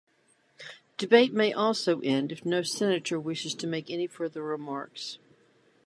Debate may also end if no senator wishes to make any further remarks.